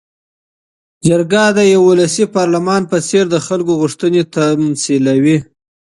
جرګه د یوه ولسي پارلمان په څېر د خلکو غوښتنې تمثیلوي.